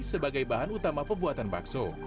sebagai bahan utama pembuatan bakso